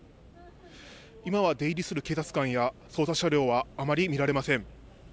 今は出入りする警察官や捜査車両はあまり見られません。